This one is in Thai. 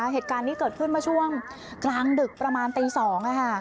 เหตุการณ์นี้เกิดขึ้นมาช่วงกลางดึกประมาณตี๒ค่ะ